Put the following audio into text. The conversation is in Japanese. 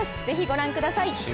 ぜひご覧ください。